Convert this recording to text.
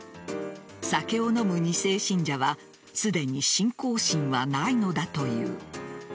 酒を飲む２世信者はすでに信仰心はないのだという。